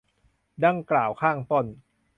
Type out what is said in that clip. ดังกล่าวข้างต้น